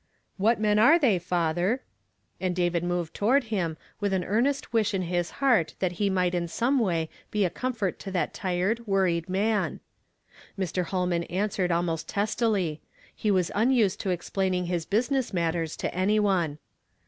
"What men are they, father?" and David moved toward him, with an earnest wish in his heart tliat he might in some way be a comfort to that tired, wo^pfied man. Mr. Ilolman answered almost testily ; he was unused to explaining his business matters to any one.